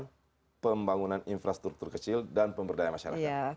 untuk pembangunan infrastruktur kecil dan pemberdayaan masyarakat